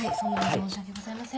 申し訳ございません。